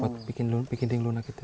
buat bikin ring lunak gitu